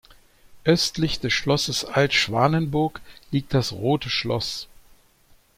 Östlich des Schlosses Alt-Schwanenburg, liegt das „Rote Schloss“.